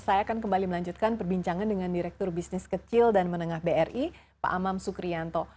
saya akan kembali melanjutkan perbincangan dengan direktur bisnis kecil dan menengah bri pak amam sukrianto